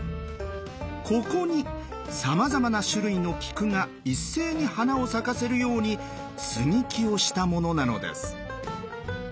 ここにさまざまな種類の菊が一斉に花を咲かせるように「接ぎ木」をしたものなのです。